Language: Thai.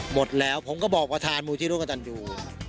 หมดแล้วผมก็บอกวัตถานหมู่ที่รุกทันตู